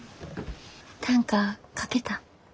短歌書けた？